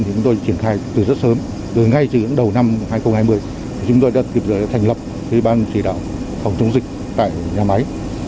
chúng tôi triển khai từ rất sớm từ ngay cho đến đầu năm hai nghìn hai mươi chúng tôi đã kịp thời thành lập ban chỉ đạo phòng chống dịch tại nhà máy